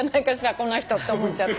この人って思っちゃって。